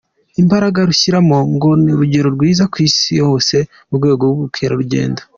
Imbaraga rushyiramo, ngo ni urugero rwiza ku isi hose mu Rwego rw’ubukerarugendo.